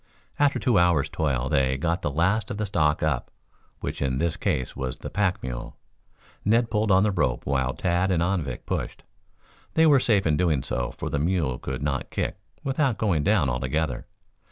After two hours' toil they got the last of the stock up, which in this case was the pack mule. Ned pulled on the rope while Tad and Anvik pushed. They were safe in doing so, for the mule could not kick without going down altogether.